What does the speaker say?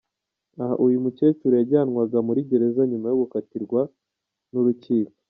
Aha uyu mukecuru yajyanwaga muri gereza nyuma yo gukatirwa n’urukiko.